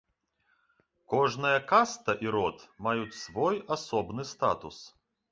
Кожная каста і род маюць свой асобны статус.